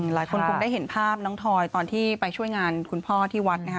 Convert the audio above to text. หลายคนคงได้เห็นภาพน้องทอยตอนที่ไปช่วยงานคุณพ่อที่วัดนะคะ